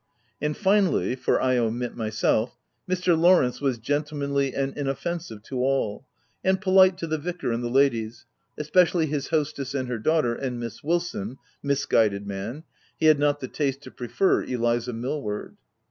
And finally, (for I omit myself,) Mr. Law rence was gentlemanly and inoffensive to all, and polite to the vicar and the ladies, especially his hostess and her daughter, and Miss Wilson — misguided man ; he had not the taste to prefer Eliza Millward.